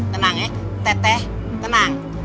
tenang ya teteh tenang